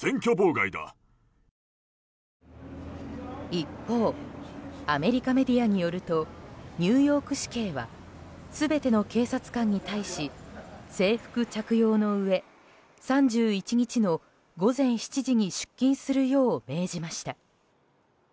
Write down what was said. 一方アメリカメディアによるとニューヨーク市警は全ての警察官に対し制服着用のうえ３１日の午前７時に出勤するよう命じました。